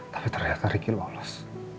tapi terlihat riki lolos